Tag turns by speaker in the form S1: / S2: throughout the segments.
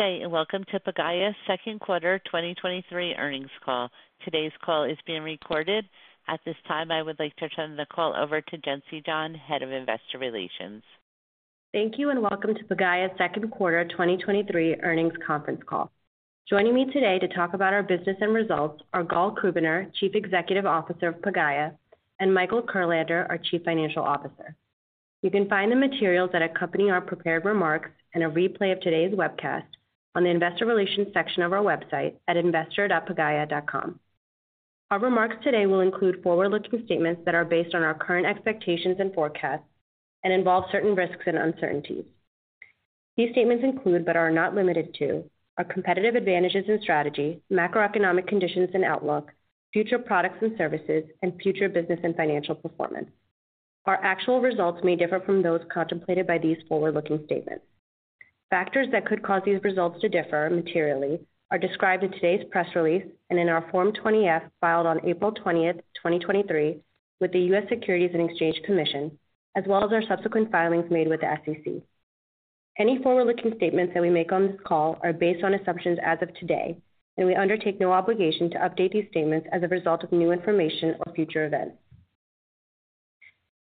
S1: Good day and welcome to Pagaya's second quarter 2023 earnings call. Today's call is being recorded. At this time, I would like to turn the call over to Jency John, Head of Investor Relations.
S2: Thank you, and welcome to Pagaya's second quarter 2023 earnings conference call. Joining me today to talk about our business and results are Gal Krubiner, Chief Executive Officer of Pagaya, and Michael Kurlander, our Chief Financial Officer. You can find the materials that accompany our prepared remarks and a replay of today's webcast on the investor relations section of our website at investor.pagaya.com. Our remarks today will include forward-looking statements that are based on our current expectations and forecasts and involve certain risks and uncertainties. These statements include, but are not limited to, our competitive advantages and strategy, macroeconomic conditions and outlook, future products and services, and future business and financial performance. Our actual results may differ from those contemplated by these forward-looking statements. Factors that could cause these results to differ materially are described in today's press release and in our Form 20-F, filed on April 20th, 2023, with the U.S. Securities and Exchange Commission, as well as our subsequent filings made with the SEC. Any forward-looking statements that we make on this call are based on assumptions as of today and we undertake no obligation to update these statements as a result of new information or future events.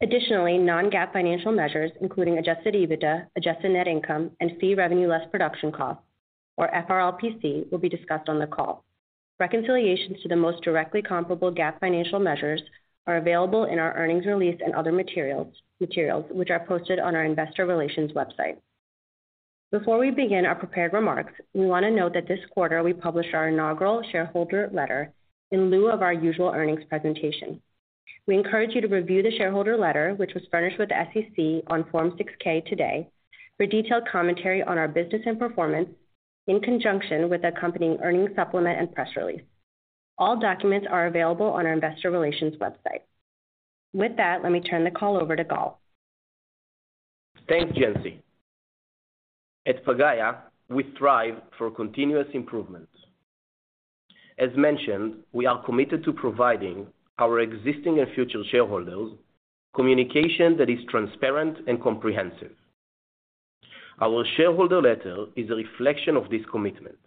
S2: Additionally, non-GAAP financial measures, including Adjusted EBITDA, Adjusted Net Income, and Fee Revenue Less Production Costs, or FRLPC, will be discussed on the call. Reconciliations to the most directly comparable GAAP financial measures are available in our earnings release and other materials, which are posted on our investor relations website. Before we begin our prepared remarks, we want to note that this quarter we published our inaugural shareholder letter in lieu of our usual earnings presentation. We encourage you to review the shareholder letter, which was furnished with the SEC on Form 6-K today, for detailed commentary on our business and performance in conjunction with accompanying earnings supplement and press release. All documents are available on our investor relations website. With that, let me turn the call over to Gal.
S3: Thanks, Jency. At Pagaya, we thrive for continuous improvement. As mentioned, we are committed to providing our existing and future shareholders communication that is transparent and comprehensive. Our shareholder letter is a reflection of this commitment,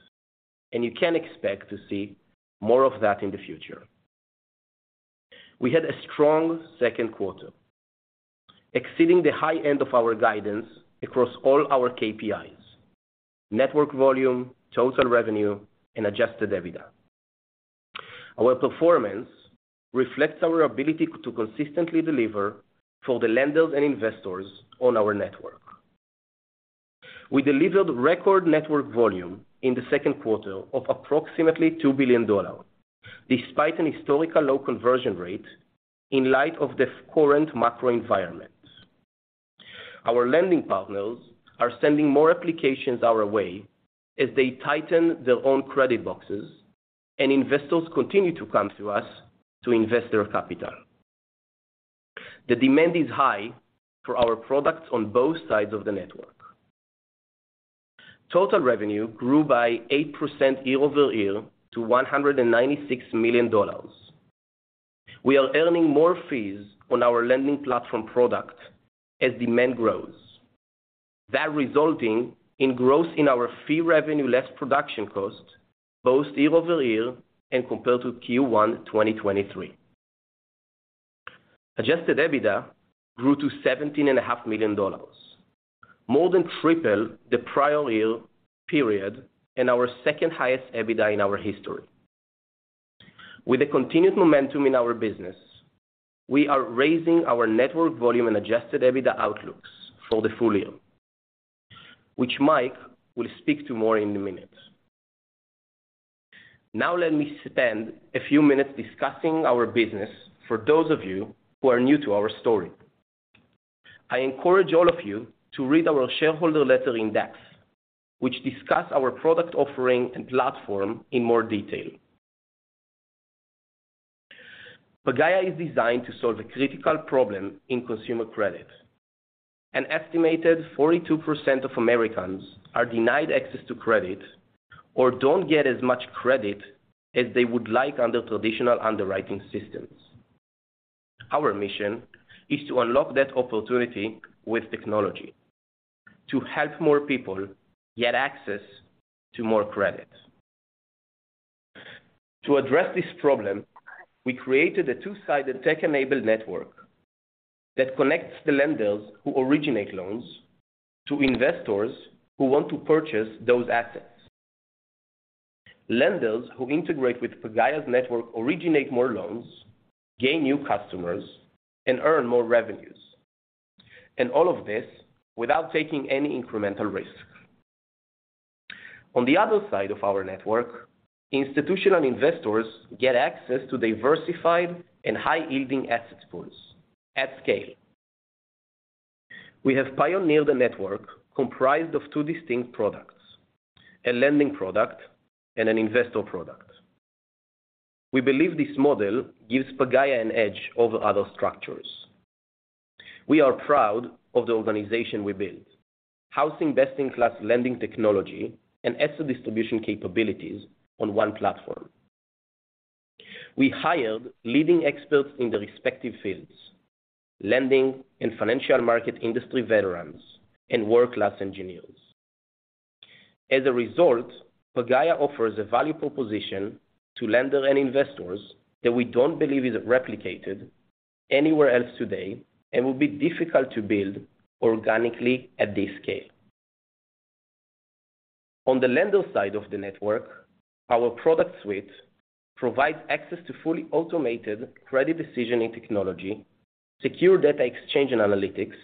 S3: and you can expect to see more of that in the future. We had a strong second quarter, exceeding the high end of our guidance across all our KPIs, network volume, total revenue, and adjusted EBITDA. Our performance reflects our ability to consistently deliver for the lenders and investors on our network. We delivered record network volume in the second quarter of approximately $2 billion, despite an historical low conversion rate in light of the current macro environment. Our lending partners are sending more applications our way as they tighten their own credit boxes, and investors continue to come to us to invest their capital. The demand is high for our products on both sides of the network. Total revenue grew by 8% year-over-year to $196 million. We are earning more fees on our lending platform product as demand grows. That resulting in growth in our Fee Revenue Less Production Costs, both year-over-year and compared to Q1 2023. Adjusted EBITDA grew to $17.5 million, more than triple the prior year period and our second highest EBITDA in our history. With the continued momentum in our business, we are raising our network volume and Adjusted EBITDA outlooks for the full year, which Mike will speak to more in a minute. Now, let me spend a few minutes discussing our business for those of you who are new to our story. I encourage all of you to read our shareholder letter in depth, which discuss our product offering and platform in more detail. Pagaya is designed to solve a critical problem in consumer credit. An estimated 42% of Americans are denied access to credit or don't get as much credit as they would like under traditional underwriting systems. Our mission is to unlock that opportunity with technology to help more people get access to more credit. To address this problem, we created a two-sided tech-enabled network that connects the lenders who originate loans to investors who want to purchase those assets. Lenders who integrate with Pagaya's network originate more loans, gain new customers, and earn more revenues, and all of this without taking any incremental risk. On the other side of our network, institutional investors get access to diversified and high-yielding asset pools at scale. We have pioneered a network comprised of two distinct products, a lending product and an investor product. We believe this model gives Pagaya an edge over other structures. We are proud of the organization we built, housing best-in-class lending technology and asset distribution capabilities on one platform. We hired leading experts in their respective fields, lending and financial market industry veterans, and world-class engineers. As a result, Pagaya offers a value proposition to lender and investors that we don't believe is replicated anywhere else today, and will be difficult to build organically at this scale. On the lender side of the network, our product suite provides access to fully automated credit decisioning technology, secure data exchange and analytics,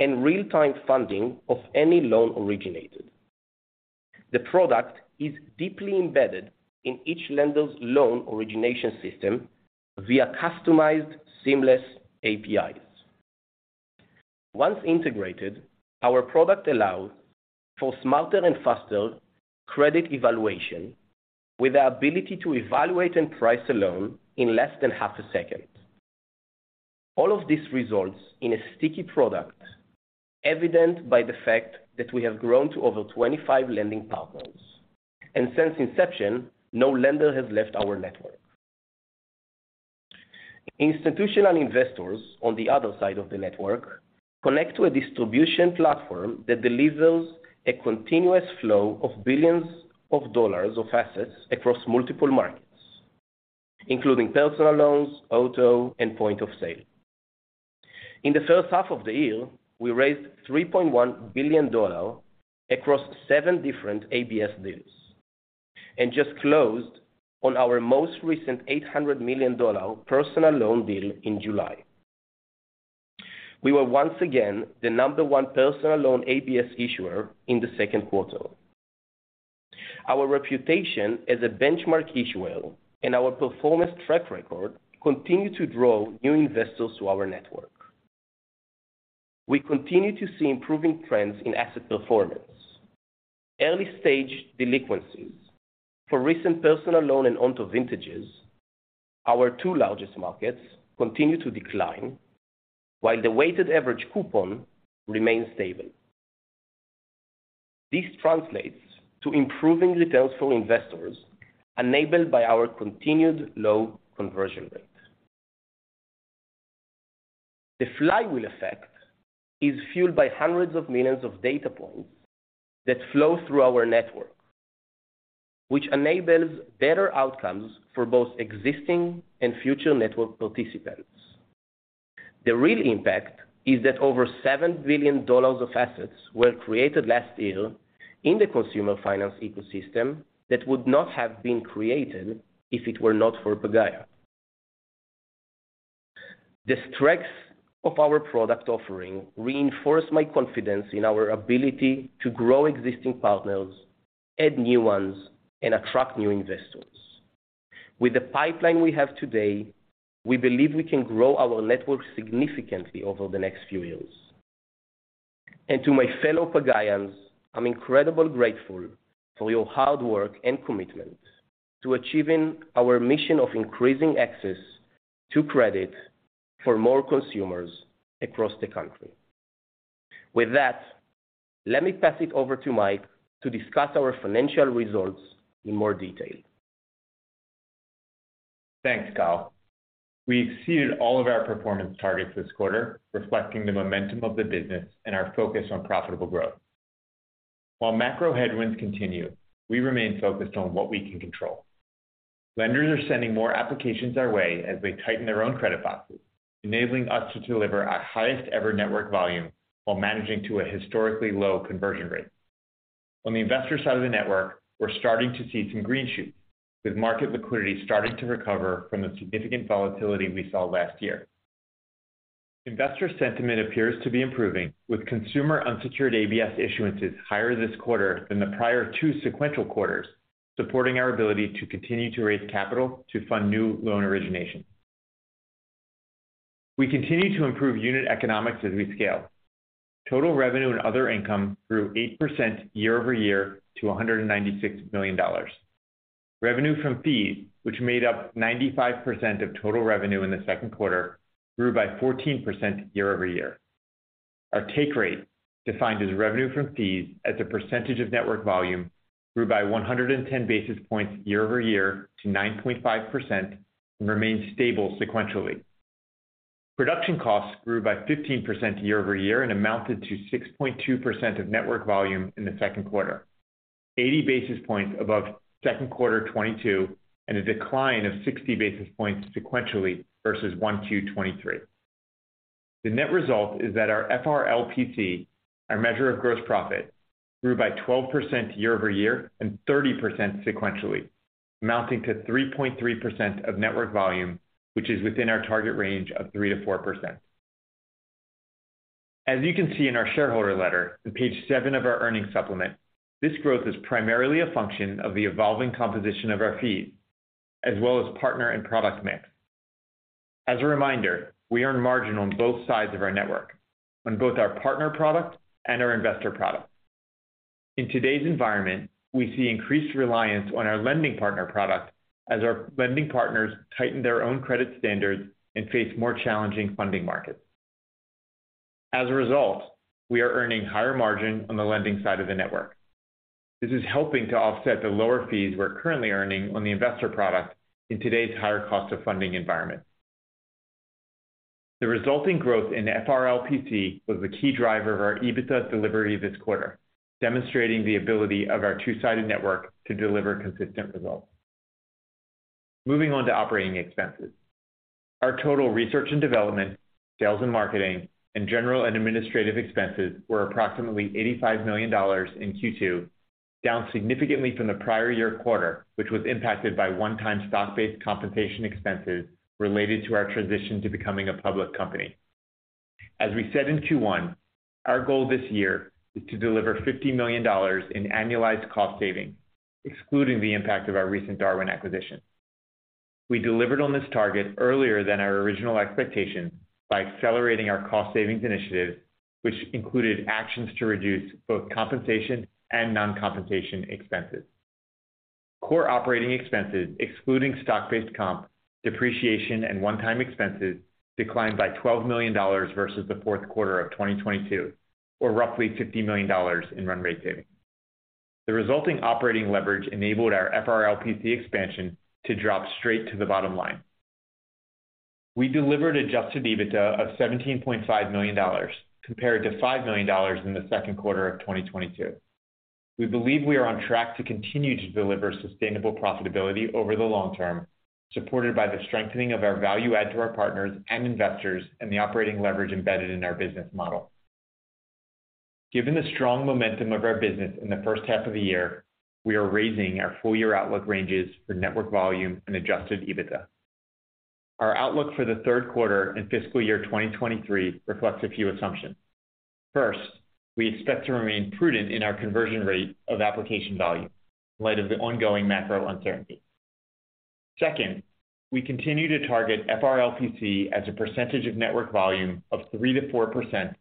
S3: and real-time funding of any loan originated. The product is deeply embedded in each lender's loan origination system via customized, seamless APIs. Once integrated, our product allows for smarter and faster credit evaluation, with the ability to evaluate and price a loan in less than half a second. All of this results in a sticky product, evident by the fact that we have grown to over 25 lending partners, and since inception, no lender has left our network. Institutional investors on the other side of the network, connect to a distribution platform that delivers a continuous flow of billions of dollars of assets across multiple markets, including personal loans, auto, and point of sale. In the first half of the year, we raised $3.1 billion across seven different ABS deals, and just closed on our most recent $800 million personal loan deal in July. We were once again the number one personal loan ABS issuer in the second quarter. Our reputation as a benchmark issuer and our performance track record continue to draw new investors to our network. We continue to see improving trends in asset performance. Early-stage delinquencies for recent personal loan and auto vintages, our two largest markets, continue to decline, while the weighted average coupon remains stable. This translates to improving returns for investors, enabled by our continued low conversion rate. The flywheel effect is fueled by hundreds of millions of data points that flow through our network, which enables better outcomes for both existing and future network participants. The real impact is that over $7 billion of assets were created last year in the consumer finance ecosystem, that would not have been created if it were not for Pagaya. The strength of our product offering reinforce my confidence in our ability to grow existing partners, add new ones, and attract new investors. With the pipeline we have today, we believe we can grow our network significantly over the next few years. To my fellow Pagayans, I'm incredibly grateful for your hard work and commitment to achieving our mission of increasing access to credit for more consumers across the country. With that, let me pass it over to Mike to discuss our financial results in more detail.
S4: Thanks, Gal. We exceeded all of our performance targets this quarter, reflecting the momentum of the business and our focus on profitable growth. While macro headwinds continue, we remain focused on what we can control. Lenders are sending more applications our way as they tighten their own credit boxes, enabling us to deliver our highest ever network volume while managing to a historically low conversion rate. On the investor side of the network, we're starting to see some green shoots, with market liquidity starting to recover from the significant volatility we saw last year. Investor sentiment appears to be improving, with consumer unsecured ABS issuances higher this quarter than the prior two sequential quarters, supporting our ability to continue to raise capital to fund new loan origination. We continue to improve unit economics as we scale. Total revenue and other income grew 8% year-over-year to $196 million. Revenue from fees, which made up 95% of total revenue in the second quarter, grew by 14% year-over-year. Our take rate, defined as revenue from fees as a percentage of network volume, grew by 110 basis points year-over-year to 9.5% and remains stable sequentially. Production costs grew by 15% year-over-year and amounted to 6.2% of network volume in the second quarter, 80 basis points above second quarter 2022, and a decline of 60 basis points sequentially versus 1Q 2023. The net result is that our FRLPC, our measure of gross profit, grew by 12% year-over-year and 30% sequentially, amounting to 3.3% of network volume, which is within our target range of 3%-4%. As you can see in our shareholder letter on page seven of our earnings supplement, this growth is primarily a function of the evolving composition of our fees, as well as partner and product mix. As a reminder, we earn margin on both sides of our network, on both our partner product and our investor product. In today's environment, we see increased reliance on our lending partner product as our lending partners tighten their own credit standards and face more challenging funding markets. As a result, we are earning higher margin on the lending side of the network. This is helping to offset the lower fees we're currently earning on the investor product in today's higher cost of funding environment. The resulting growth in FRLPC was the key driver of our EBITDA delivery this quarter, demonstrating the ability of our two-sided network to deliver consistent results. Moving on to operating expenses. Our total research and development, sales and marketing, and general and administrative expenses were approximately $85 million in Q2, down significantly from the prior year quarter, which was impacted by one-time stock-based compensation expenses related to our transition to becoming a public company. As we said in Q1, our goal this year is to deliver $50 million in annualized cost savings, excluding the impact of our recent Darwin acquisition. We delivered on this target earlier than our original expectation by accelerating our cost savings initiative, which included actions to reduce both compensation and non-compensation expenses. Core operating expenses, excluding stock-based comp, depreciation, and one-time expenses, declined by $12 million versus the fourth quarter of 2022, or roughly $50 million in run rate savings. The resulting operating leverage enabled our FRLPC expansion to drop straight to the bottom line. We delivered Adjusted EBITDA of $17.5 million, compared to $5 million in the second quarter of 2022. We believe we are on track to continue to deliver sustainable profitability over the long term, supported by the strengthening of our value add to our partners and investors, and the operating leverage embedded in our business model. Given the strong momentum of our business in the first half of the year, we are raising our full-year outlook ranges for network volume and Adjusted EBITDA. Our outlook for the third quarter and fiscal year 2023 reflects a few assumptions. First, we expect to remain prudent in our conversion rate of application value in light of the ongoing macro uncertainty. Second, we continue to target FRLPC as a percentage of network volume of 3%-4%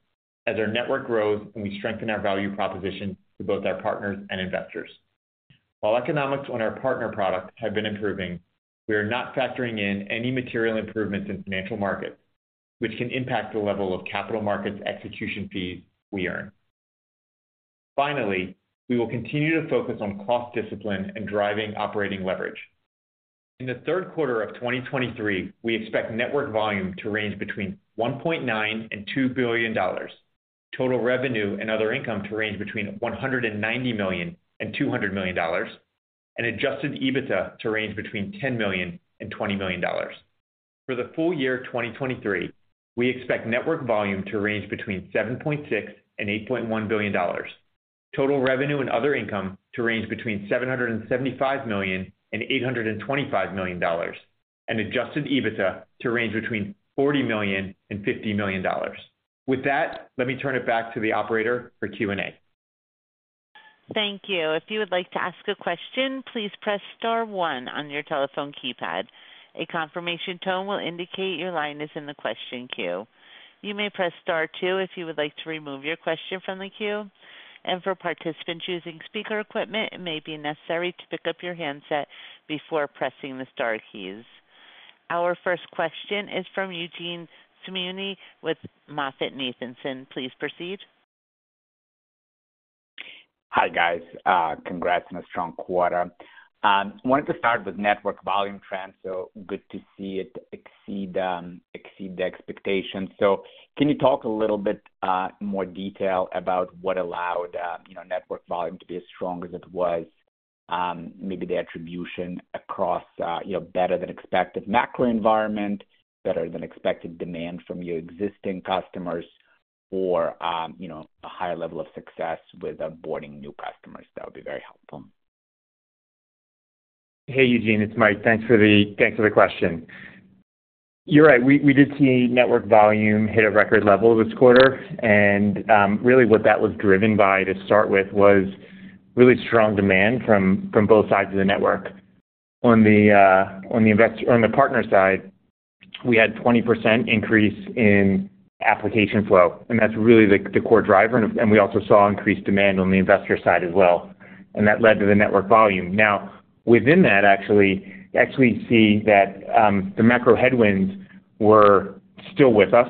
S4: as our network grows and we strengthen our value proposition to both our partners and investors. While economics on our partner product have been improving, we are not factoring in any material improvements in financial markets, which can impact the level of capital markets execution fees we earn. Finally, we will continue to focus on cost discipline and driving operating leverage. In the third quarter of 2023, we expect network volume to range between $1.9 billion and $2 billion. Total revenue and other income to range between $190 million and $200 million, and Adjusted EBITDA to range between $10 million and $20 million. For the full year 2023, we expect network volume to range between $7.6 billion and $8.1 billion. Total revenue and other income to range between $775 million and $825 million, Adjusted EBITDA to range between $40 million and $50 million. With that, let me turn it back to the operator for Q&A.
S1: Thank you. If you would like to ask a question, please press star one on your telephone keypad. A confirmation tone will indicate your line is in the question queue. You may press star two if you would like to remove your question from the queue. For participants using speaker equipment, it may be necessary to pick up your handset before pressing the star keys. Our first question is from Eugene Simuni with MoffettNathanson. Please proceed.
S5: Hi, guys, congrats on a strong quarter. I wanted to start with network volume trends. Good to see it exceed, exceed the expectations. Can you talk a little bit more detail about what allowed, you know, network volume to be as strong as it was? Maybe the attribution across, you know, better than expected macro environment, better than expected demand from your existing customers or, you know, a higher level of success with onboarding new customers? That would be very helpful.
S4: Hey, Eugene, it's Mike. Thanks for the question. You're right, we did see network volume hit a record level this quarter. Really what that was driven by, to start with, was really strong demand from both sides of the network. On the partner side, we had 20% increase in application flow, and that's really the core driver. We also saw increased demand on the investor side as well, and that led to the network volume. Within that, actually, you actually see that the macro headwinds were still with us,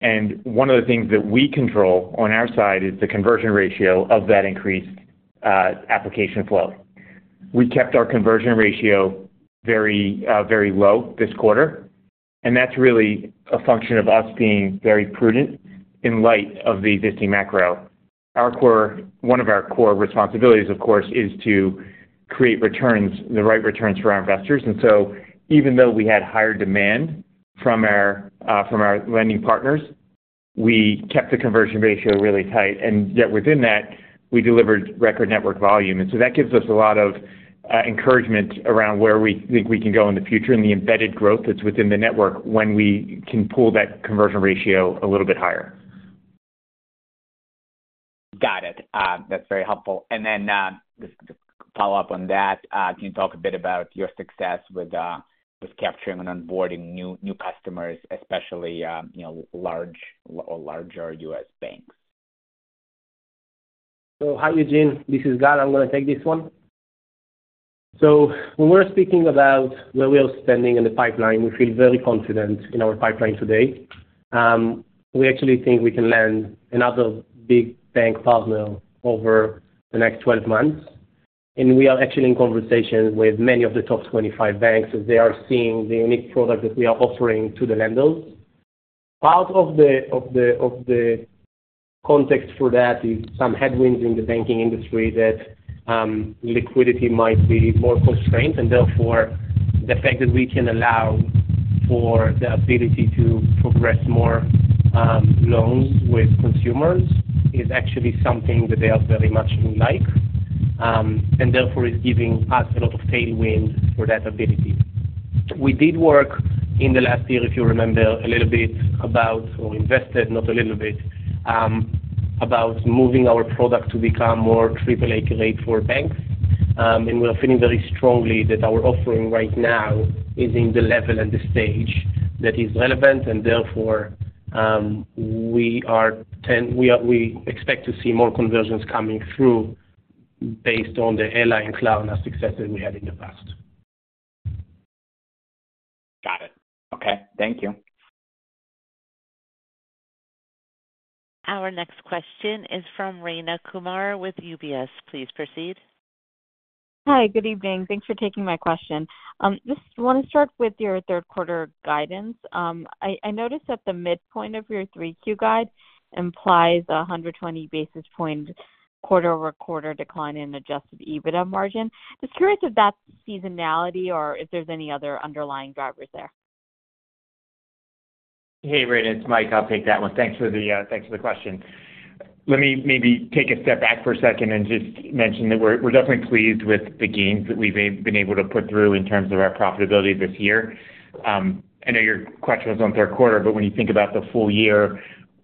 S4: and one of the things that we control on our side is the conversion ratio of that increased application flow. We kept our conversion ratio very, very low this quarter. That's really a function of us being very prudent in light of the existing macro. One of our core responsibilities, of course, is to create returns, the right returns for our investors. Even though we had higher demand from our, from our lending partners, we kept the conversion ratio really tight, and yet within that, we delivered record network volume. That gives us a lot of encouragement around where we think we can go in the future and the embedded growth that's within the network when we can pull that conversion ratio a little bit higher.
S5: Got it. That's very helpful. Just to follow up on that, can you talk a bit about your success with capturing and onboarding new, new customers, especially, you know, large or larger US-?
S3: Hi, Eugene, this is Gal. I'm gonna take this one. When we're speaking about where we are standing in the pipeline, we feel very confident in our pipeline today. We actually think we can land another big bank partner over the next 12 months, and we are actually in conversations with many of the top 25 banks as they are seeing the unique product that we are offering to the lenders. Part of the context for that is some headwinds in the banking industry that liquidity might be more constrained, and therefore, the fact that we can allow for the ability to progress more loans with consumers is actually something that they very much like. Therefore, it's giving us a lot of tailwind for that ability. We did work in the last year, if you remember, a little bit about or invested, not a little bit, about moving our product to become more AAA-rated for banks. We are feeling very strongly that our offering right now is in the level and the stage that is relevant. Therefore, we expect to see more conversions coming through based on the Align and Klarna successes we had in the past.
S5: Got it. Okay, thank you.
S1: Our next question is from Rayna Kumar with UBS. Please proceed.
S6: Hi, good evening. Thanks for taking my question. Just want to start with your third quarter guidance. I, I noticed that the midpoint of your 3Q guide implies a 120 basis point quarter-over-quarter decline in Adjusted EBITDA margin. Just curious if that's seasonality or if there's any other underlying drivers there.
S4: Hey, Rayna, it's Mike. I'll take that one. Thanks for the thanks for the question. Let me maybe take a step back for a second and just mention that we're, we're definitely pleased with the gains that we've been able to put through in terms of our profitability this year. I know your question was on third quarter, but when you think about the full year,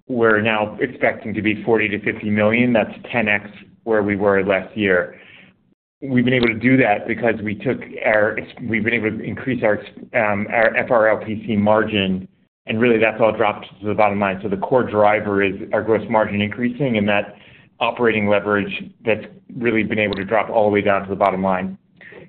S4: we're now expecting to be $40 million-$50 million. That's 10x where we were last year. We've been able to do that because we've been able to increase our FRLPC margin, and really that's all dropped to the bottom line. The core driver is our gross margin increasing and that operating leverage that's really been able to drop all the way down to the bottom line.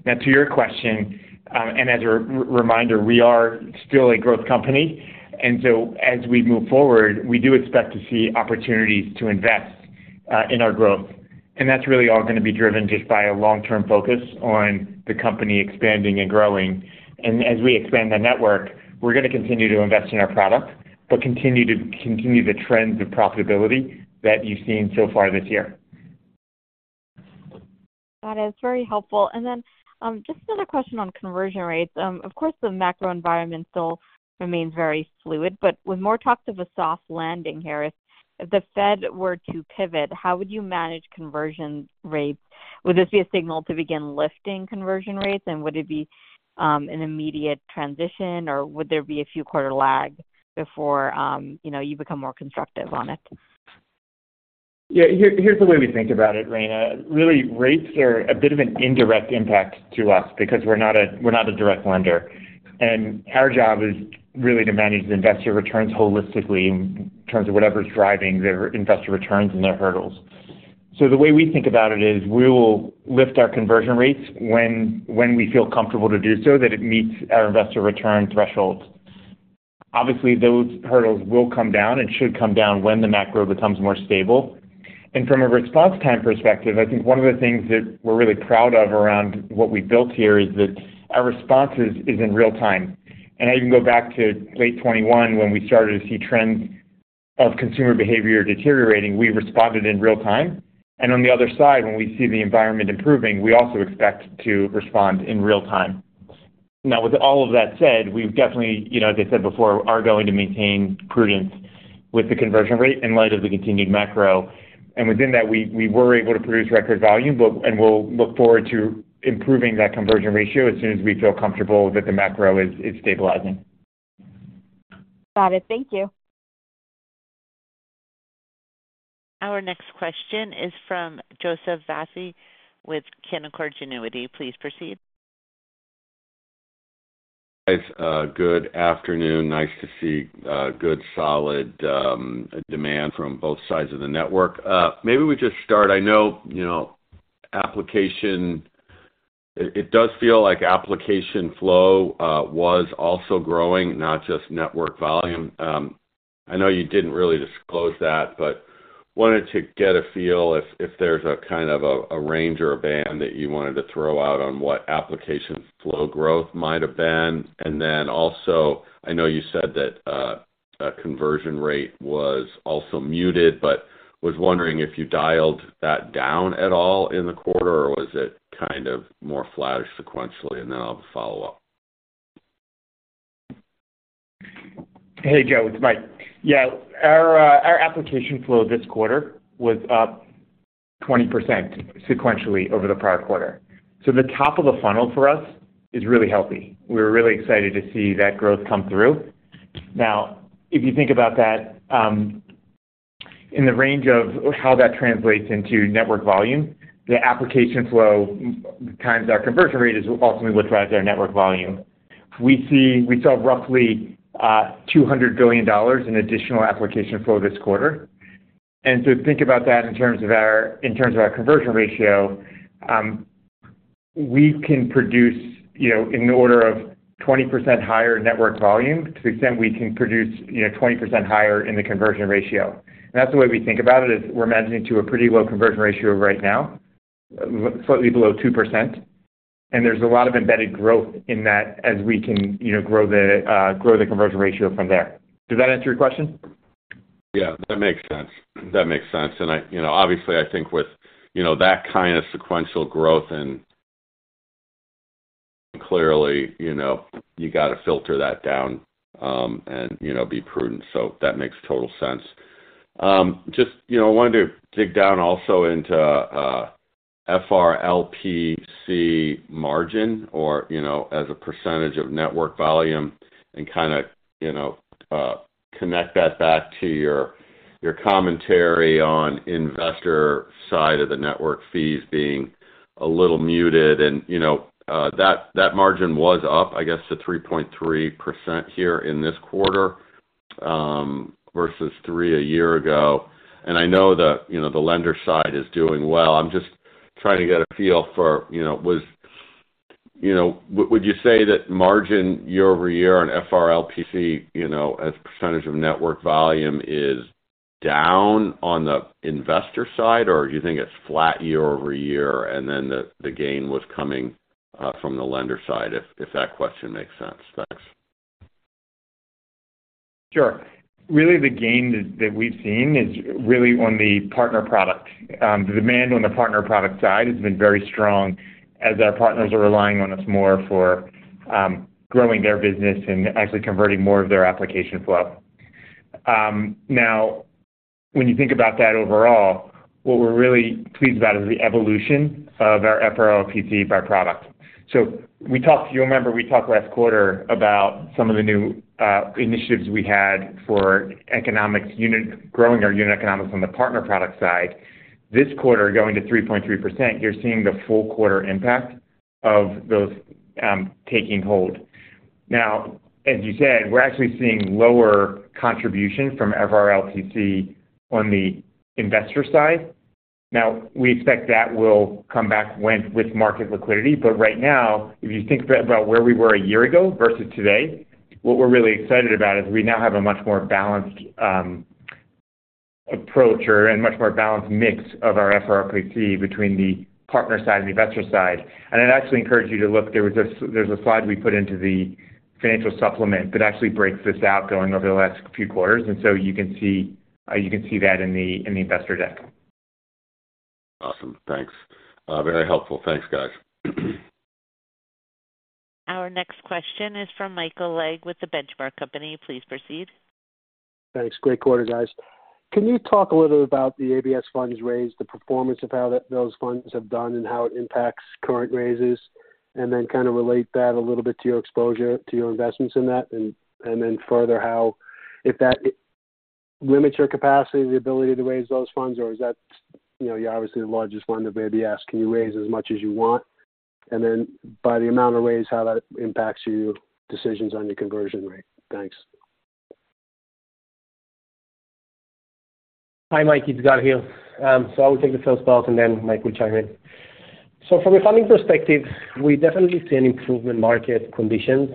S4: Now to your question, and as a re-reminder, we are still a growth company, and so as we move forward, we do expect to see opportunities to invest in our growth. That's really all going to be driven just by a long-term focus on the company expanding and growing. As we expand the network, we're going to continue to invest in our product, but continue to, continue the trends of profitability that you've seen so far this year.
S6: Got it. It's very helpful. Just another question on conversion rates. Of course, the macro environment still remains very fluid, but with more talks of a soft landing here, if, if the Fed were to pivot, how would you manage conversion rates? Would this be a signal to begin lifting conversion rates, and would it be an immediate transition, or would there be a few quarter lag before, you know, you become more constructive on it?
S4: Yeah, here, here's the way we think about it, Rayna. Really, rates are a bit of an indirect impact to us because we're not a, we're not a direct lender and our job is really to manage the investor returns holistically in terms of whatever's driving their investor returns and their hurdles. The way we think about it is, we will lift our conversion rates when, when we feel comfortable to do so, that it meets our investor return thresholds. Obviously, those hurdles will come down and should come down when the macro becomes more stable. From a response time perspective, I think one of the things that we're really proud of around what we built here is that our responses is in real time. I even go back to late 2021 when we started to see trends of consumer behavior deteriorating. We responded in real time, and on the other side, when we see the environment improving, we also expect to respond in real time. Now, with all of that said, we've definitely, you know, as I said before, are going to maintain prudence with the conversion rate in light of the continued macro. Within that, we were able to produce record volume, and we'll look forward to improving that conversion ratio as soon as we feel comfortable that the macro is stabilizing.
S6: Got it. Thank you.
S1: Our next question is from Joseph Vafi with Canaccord Genuity. Please proceed.
S7: Guys, good afternoon. Nice to see good, solid, demand from both sides of the network. Maybe we just start. I know, you know, application -- it, it does feel like application flow was also growing, not just network volume. I know you didn't really disclose that, but wanted to get a feel if, if there's a kind of a, a range or a band that you wanted to throw out on what application flow growth might have been. Also, I know you said that a conversion rate was also muted, but was wondering if you dialed that down at all in the quarter, or was it kind of more flat sequentially? I'll follow up.
S4: Hey, Jo, it's Mike. Our application flow this quarter was up 20% sequentially over the prior quarter. The top of the funnel for us is really healthy. We're really excited to see that growth come through. If you think about that, in the range of how that translates into network volume, the application flow times our conversion rate is ultimately what drives our network volume. We saw roughly $200 billion in additional application flow this quarter. Think about that in terms of our conversion ratio, we can produce, you know, in the order of 20% higher network volume, to the extent we can produce, you know, 20% higher in the conversion ratio. That's the way we think about it, is we're managing to a pretty low conversion ratio right now, slightly below 2%. There's a lot of embedded growth in that as we can, you know, grow the, grow the conversion ratio from there. Does that answer your question?
S7: Yeah, that makes sense. That makes sense. I, you know, obviously, I think with, you know, that kind of sequential growth and clearly, you know, you got to filter that down, and, you know, be prudent. That makes total sense. Just, you know, I wanted to dig down also into FRLPC margin or, you know, as a percentage of network volume and kinda, you know, connect that back to your, your commentary on investor side of the network fees being a little muted. That, that margin was up, I guess, to 3.3% here in this quarter, versus 3% a year ago. I know that, you know, the lender side is doing well. I'm just trying to get a feel for, you know, was... You know, would, would you say that margin year-over-year on FRLPC, you know, as a percentage of network volume is down on the investor side, or do you think it's flat year-over-year, and then the, the gain was coming from the lender side? If, if that question makes sense. Thanks.
S4: Sure. The gain that we've seen is really on the partner product. The demand on the partner product side has been very strong as our partners are relying on us more for growing their business and actually converting more of their application flow. Now, when you think about that overall, what we're really pleased about is the evolution of our FRLPC by product. We talked-- you remember, we talked last quarter about some of the new initiatives we had for growing our unit economics on the partner product side. This quarter, going to 3.3%, you're seeing the full quarter impact of those taking hold. Now, as you said, we're actually seeing lower contribution from FRLPC on the investor side. Now, we expect that will come back with market liquidity, but right now, if you think about where we were a year ago versus today, what we're really excited about is we now have a much more balanced approach or, and much more balanced mix of our FRLPC between the partner side and the investor side. I'd actually encourage you to look, there was a, there's a slide we put into the financial supplement that actually breaks this out, going over the last few quarters, so you can see, you can see that in the, in the investor deck.
S7: Awesome. Thanks. Very helpful. Thanks, guys.
S1: Our next question is from Michael Legg with The Benchmark Company. Please proceed.
S8: Thanks. Great quarter, guys. Can you talk a little bit about the ABS funds raised, the performance of how that those funds have done and how it impacts current raises? Then kind of relate that a little bit to your exposure, to your investments in that, and, and then further, how, if that limits your capacity, the ability to raise those funds, or is that, you know, you're obviously the largest lender of ABS? Can you raise as much as you want? Then by the amount of raise, how that impacts your decisions on your conversion rate? Thanks.
S3: Hi, Mike, it's Gal here. I will take the first part, and then Mike will chime in. From a funding perspective, we definitely see an improvement market conditions.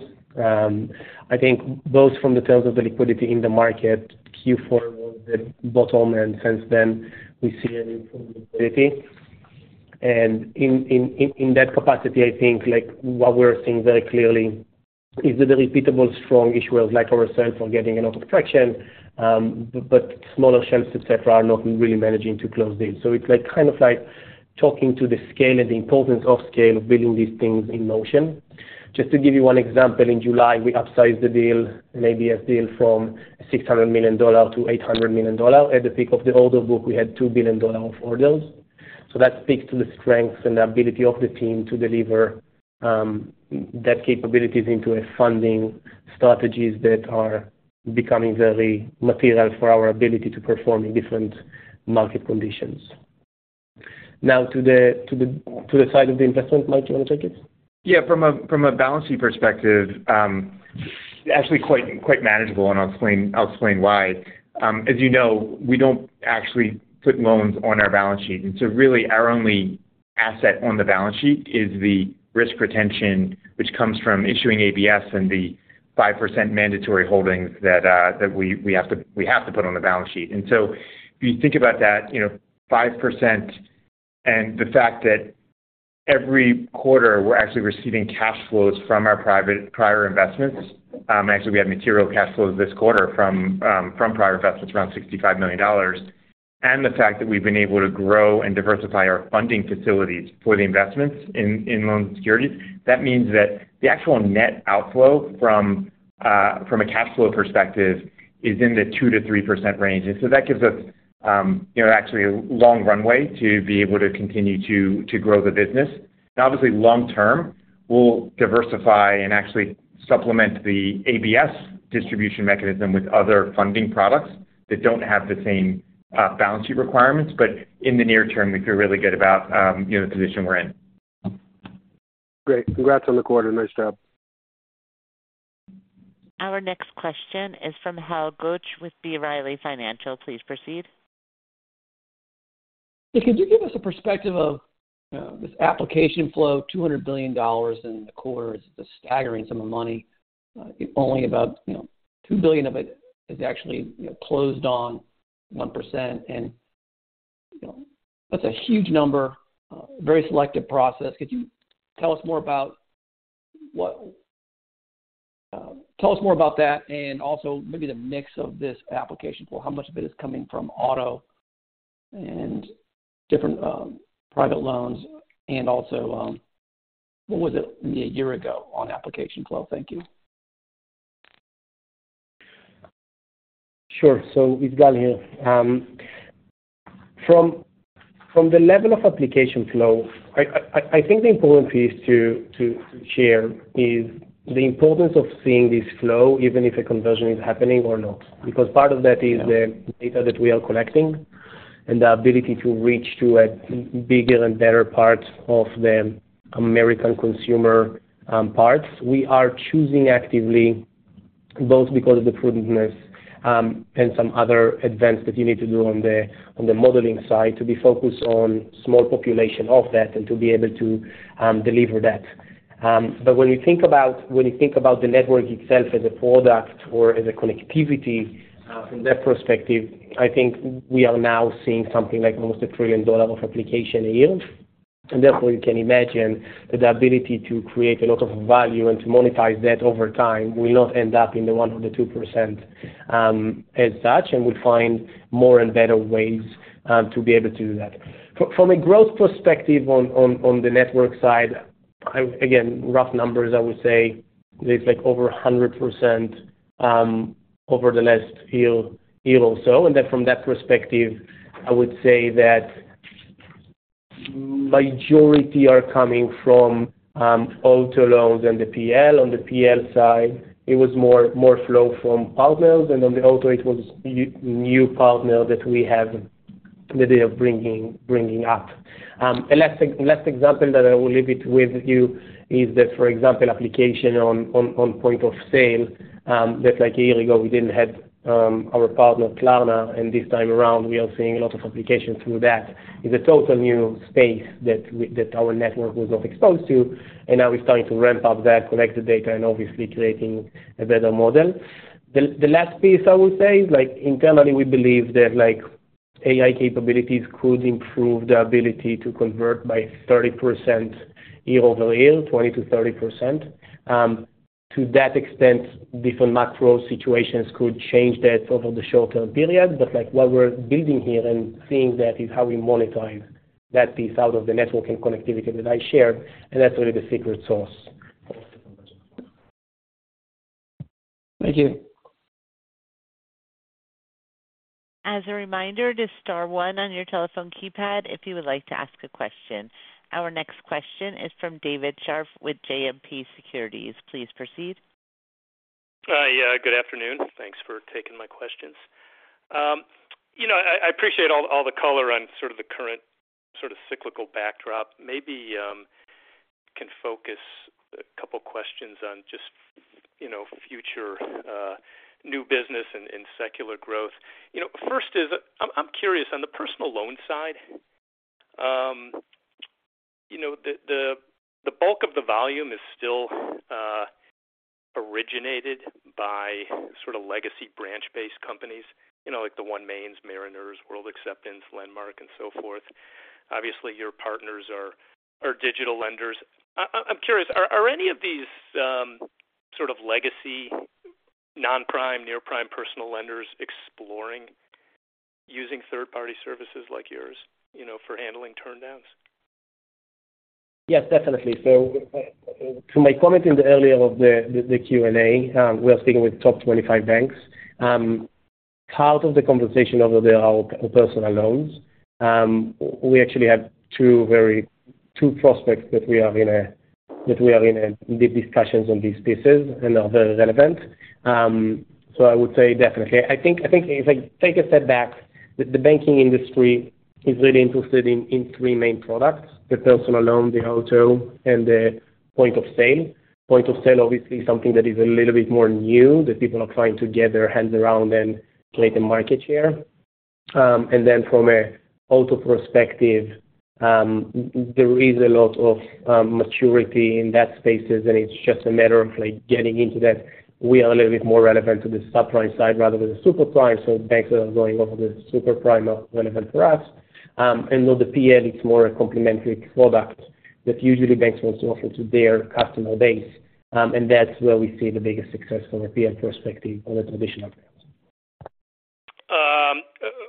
S3: I think both from the terms of the liquidity in the market, Q4 was the bottom, and since then, we see an improved liquidity. In that capacity, I think, like, what we're seeing very clearly is that the repeatable, strong issuers, like ourselves, are getting enough attraction, but smaller shelves, et cetera, are not really managing to close deals. It's like, kind of like talking to the scale and the importance of scale, building these things in motion. Just to give you one example, in July, we upsized the deal, an ABS deal from $600 million to $800 million. At the peak of the order book, we had $2 billion of orders. That speaks to the strengths and the ability of the team to deliver that capabilities into a funding strategies that are becoming very material for our ability to perform in different market conditions. To the, to the, to the side of the investment, Mike, do you want to take it?
S4: Yeah, from a, from a balance sheet perspective, actually quite, quite manageable, and I'll explain, I'll explain why. As you know, we don't actually put loans on our balance sheet. Really, our only asset on the balance sheet is the risk retention which comes from issuing ABS and the 5% mandatory holdings that, that we, we have to, we have to put on the balance sheet. If you think about that, you know, 5% and the fact that every quarter we're actually receiving cash flows from our private prior investments, actually, we have material cash flows this quarter from prior investments, around $65 million, and the fact that we've been able to grow and diversify our funding facilities for the investments in loans and securities, that means that the actual net outflow from a cash flow perspective is in the 2%-3% range. That gives us, you know, actually a long runway to be able to continue to grow the business. Obviously, long term, we'll diversify and actually supplement the ABS distribution mechanism with other funding products that don't have the same balance sheet requirements. In the near term, we feel really good about, you know, the position we're in.
S8: Great. Congrats on the quarter. Nice job.
S1: Our next question is from Hal Goetsch with B. Riley Financial. Please proceed.
S9: Could you give us a perspective of this application flow? $200 billion in the quarter is a staggering sum of money. Only about, you know, $2 billion of it is actually, you know, closed on 1%. You know, that's a huge number, very selective process. Could you tell us more about that and also maybe the mix of this application? Well, how much of it is coming from auto and different private loans? What was it maybe a year ago on application flow? Thank you.
S3: Sure. It's Gal here. from, from the level of application flow, I, I, I think the important piece to, to, to share is the importance of seeing this flow, even if a conversion is happening or not, because part of that is the data that we are collecting and the ability to reach to a bigger and better part of the American consumer, parts. We are choosing actively, both because of the prudentness, and some other events that you need to do on the, on the modeling side to be focused on small population of that and to be able to, deliver that. When you think about, when you think about the network itself as a product or as a connectivity from that perspective, I think we are now seeing something like almost $1 trillion of application a year. Therefore, you can imagine that the ability to create a lot of value and to monetize that over time will not end up in the 102%, as such, and we'll find more and better ways to be able to do that. From a growth perspective on the network side, again, rough numbers, I would say it's like over 100% over the last year, year or so. Then from that perspective, I would say that majority are coming from auto loans and the PL. On the PL side, it was more flow from partners, and on the auto, it was new partner that we have the idea of bringing, bringing up. Last, last example that I will leave it with you is that, for example, application on, on, on point of sale, that like a year ago, we didn't have, our partner, Klarna, and this time around, we are seeing a lot of applications through that. It's a total new space that our network was not exposed to, and now we're starting to ramp up that, collect the data, and obviously creating a better model. The, the last piece I would say is like internally, we believe that like, AI capabilities could improve the ability to convert by 30% year-over-year, 20%-30%. To that extent, different macro situations could change that over the shorter period. Like, what we're building here and seeing that is how we monetize that piece out of the network and connectivity that I shared, and that's really the secret sauce.
S9: Thank you.
S1: As a reminder to star one on your telephone keypad, if you would like to ask a question. Our next question is from David Scharf with JMP Securities. Please proceed.
S10: Hi. Yeah, good afternoon. Thanks for taking my questions. You know, I, I appreciate all, all the color on sort of the current sort of cyclical backdrop. Maybe, can focus a couple questions on just, you know, future, new business and, and secular growth. You know, first is, I'm, I'm curious, on the personal loan side, you know, the, the, the bulk of the volume is still, originated by sort of legacy branch-based companies, you know, like the OneMain, Mariner, World Acceptance, Lendmark, and so forth. Obviously, your partners are, are digital lenders. I, I, I'm curious, are, are any of these, sort of legacy non-prime, near-prime personal lenders exploring using third-party services like yours, you know, for handling turndowns?
S3: Yes, definitely. To my comment in the earlier of the Q&A, we are speaking with top 25 banks. Part of the conversation over there are personal loans. We actually have two prospects that we are in a deep discussions on these pieces and are very relevant. I would say definitely. I think, I think if I take a step back, the banking industry is really interested in three main products: the personal loan, the auto, and the Point of Sale. Point of Sale, obviously, something that is a little bit more new, that people are trying to get their hands around and play the market share. From a auto perspective, there is a lot of maturity in that spaces, and it's just a matter of like getting into that. We are a little bit more relevant to the subprime side rather than the super prime, so banks that are going over the super prime are relevant for us. With the PL, it's more a complementary product that usually banks want to offer to their customer base, and that's where we see the biggest success from a PL perspective on the traditional.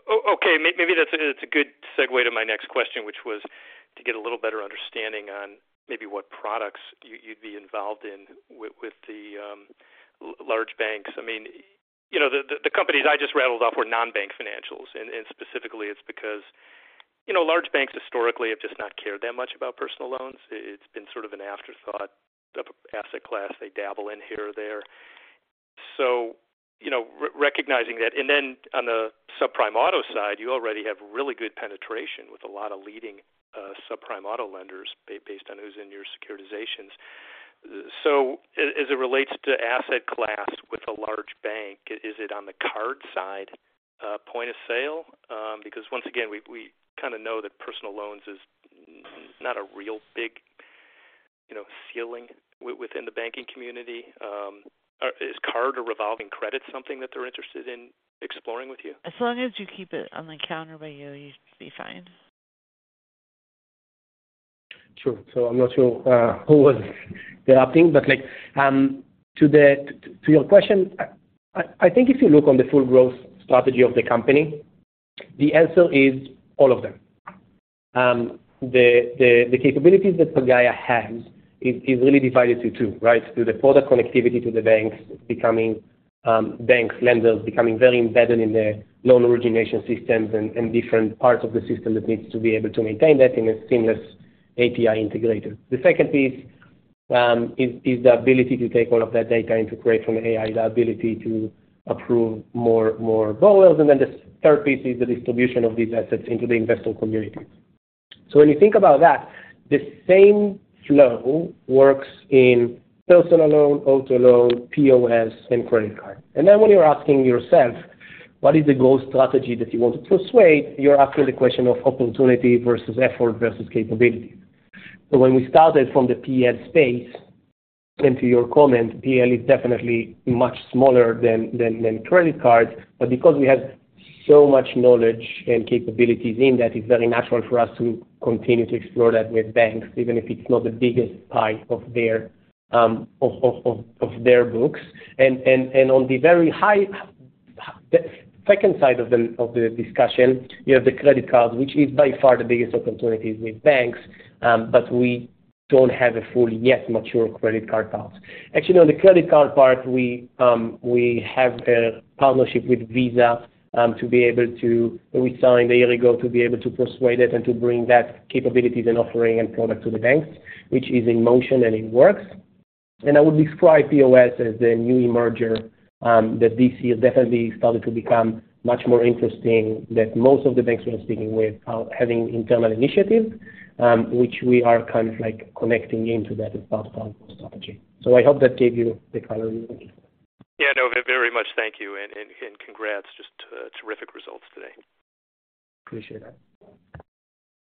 S10: Okay, maybe that's a good segue to my next question, which was to get a little better understanding on maybe what products you, you'd be involved in with the large banks. I mean, you know, the, the, the companies I just rattled off were non-bank financials, and specifically it's because, you know, large banks historically have just not cared that much about personal loans. It's been sort of an afterthought of asset class they dabble in here or there. You know, recognizing that, and then on the subprime auto side, you already have really good penetration with a lot of leading subprime auto lenders, based on who's in your securitizations. As, as it relates to asset class with a large bank, is it on the card side, Point of Sale? Because once again, we, we kinda know that personal loans is not a real big, you know, ceiling within the banking community. Is card or revolving credit something that they're interested in exploring with you?
S1: As long as you keep it on the counter by you, you should be fine.
S3: Sure. I'm not sure who was interrupting, but like, to your question, I think if you look on the full growth strategy of the company, the answer is all of them. The capabilities that Pagaya has is really divided to two, right? To the product connectivity to the banks becoming banks, lenders becoming very embedded in their loan origination systems and different parts of the system that needs to be able to maintain that in a seamless API integrator. The second piece is the ability to take all of that data and to create from AI, the ability to approve more loans. The third piece is the distribution of these assets into the investor community. When you think about that, the same flow works in personal loan, auto loan, POS, and credit card. When you're asking yourself, what is the growth strategy that you want to pursue? You're asking the question of opportunity versus effort versus capability. When we started from the PL space, and to your comment, PL is definitely much smaller than credit cards, but because we have so much knowledge and capabilities in that, it's very natural for us to continue to explore that with banks, even if it's not the biggest pie of their books. On the very high, the second side of the discussion, you have the credit cards, which is by far the biggest opportunities with banks, but we don't have a fully yet mature credit card product. Actually, on the credit card part, we, we have a partnership with Visa, to be able to, we signed a year ago to be able to persuade it and to bring that capabilities and offering and product to the banks, which is in motion and in works. I would describe POS as the new emerger, that this year definitely started to become much more interesting, that most of the banks we are speaking with are having internal initiatives, which we are kind of like connecting into that as part of our strategy. I hope that gave you the color you were looking for.
S10: Yeah, no, very much. Thank you. Congrats just to terrific results today.
S3: Appreciate that.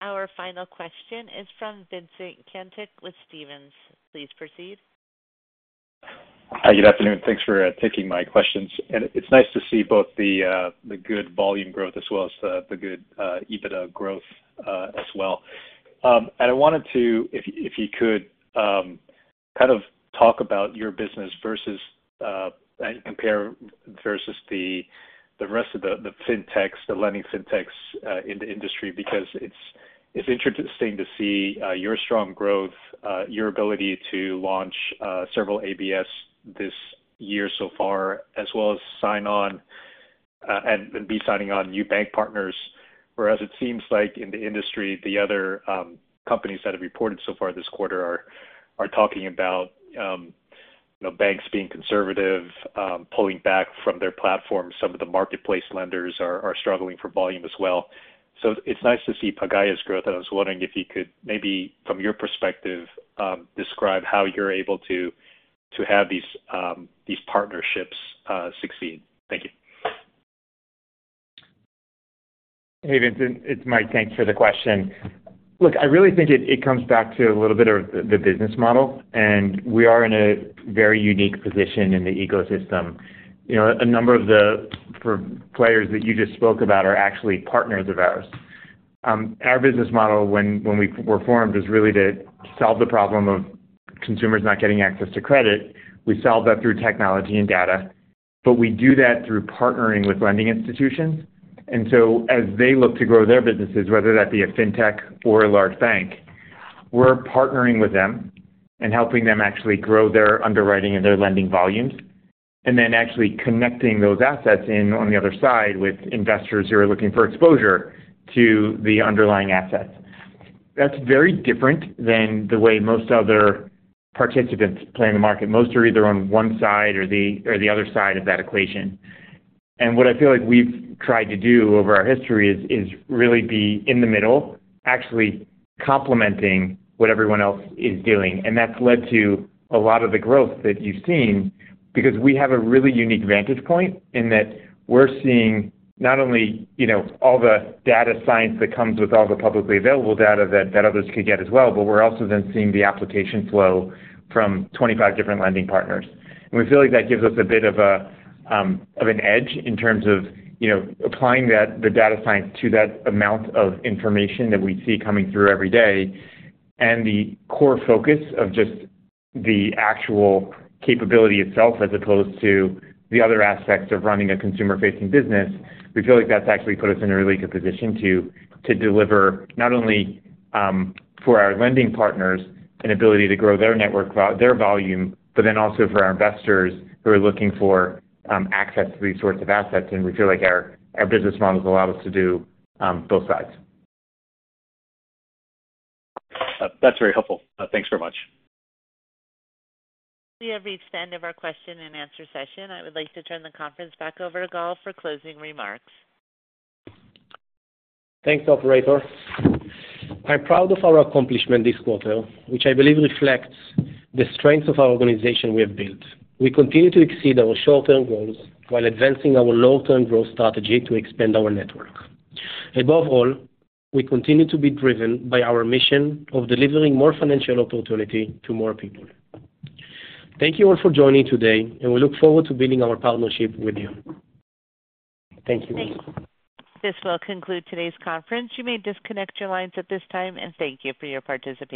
S1: Our final question is from Vincent Caintic with Stephens. Please proceed.
S11: Hi, good afternoon. Thanks for taking my questions. It's nice to see both the good volume growth as well as the good EBITDA growth as well. I wanted to, if you could, kind of talk about your business versus, and compare versus the rest of the fintechs, the lending fintechs, in the industry, because it's interesting to see your strong growth, your ability to launch several ABS this year so far, as well as sign on, and be signing on new bank partners. Whereas it seems like in the industry, the other companies that have reported so far this quarter are talking about, you know, banks being conservative, pulling back from their platforms. Some of the marketplace lenders are struggling for volume as well. It's nice to see Pagaya's growth, and I was wondering if you could maybe, from your perspective, describe how you're able to, to have these, these partnerships, succeed. Thank you.
S4: Hey, Vincent, it's Mike. Thanks for the question. Look, I really think it, it comes back to a little bit of the, the business model, and we are in a very unique position in the ecosystem. You know, a number of the for- players that you just spoke about are actually partners of ours. Our business model, when, when we were formed, was really to solve the problem of consumers not getting access to credit. We solve that through technology and data, but we do that through partnering with lending institutions. As they look to grow their businesses, whether that be a fintech or a large bank, we're partnering with them and helping them actually grow their underwriting and their lending volumes, and then actually connecting those assets in on the other side with investors who are looking for exposure to the underlying assets. That's very different than the way most other participants play in the market. Most are either on one side or the other side of that equation. What I feel like we've tried to do over our history is really be in the middle, actually complementing what everyone else is doing. That's led to a lot of the growth that you've seen, because we have a really unique vantage point in that we're seeing not only, you know, all the data science that comes with all the publicly available data that, that others could get as well, but we're also then seeing the application flow from 25 different lending partners. We feel like that gives us a bit of an edge in terms of, you know, applying that, the data science to that amount of information that we see coming through every day. The core focus of just the actual capability itself, as opposed to the other aspects of running a consumer-facing business, we feel like that's actually put us in a really good position to, to deliver not only for our lending partners, an ability to grow their network, their volume, but then also for our investors who are looking for access to these sorts of assets, and we feel like our, our business models allow us to do both sides.
S11: That's very helpful. Thanks very much.
S1: We have reached the end of our question-and-answer session. I would like to turn the conference back over to Gal for closing remarks.
S3: Thanks, operator. I'm proud of our accomplishment this quarter, which I believe reflects the strength of our organization we have built. We continue to exceed our short-term goals while advancing our long-term growth strategy to expand our network. Above all, we continue to be driven by our mission of delivering more financial opportunity to more people. Thank you all for joining today, and we look forward to building our partnership with you. Thank you.
S1: Thanks. This will conclude today's conference. You may disconnect your lines at this time, and thank you for your participation.